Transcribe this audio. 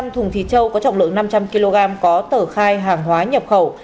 một mươi thùng thịt châu có trọng lượng năm trăm linh kg có tờ khai hàng hóa nhập khẩu